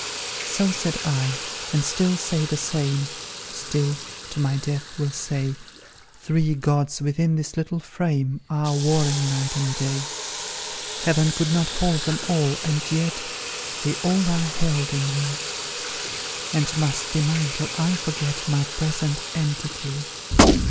"So said I, and still say the same; Still, to my death, will say Three gods, within this little frame, Are warring night; and day; Heaven could not hold them all, and yet They all are held in me; And must be mine till I forget My present entity!